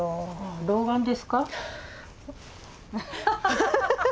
老眼ですか？